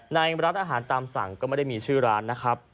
ในร้านอาหารตามสั่งก็ไม่ได้มีชื่อร้านนะครับ